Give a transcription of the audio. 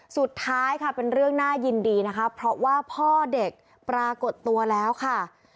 สุดท้ายค่ะเป็นเรื่องน่ายินดีนะคะเพราะว่าพ่อเด็กปรากฏตัวแล้วค่ะ